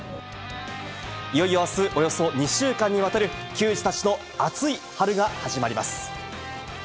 いよいよあす、およそ２週間にわたる球児たちの熱い春が始まります。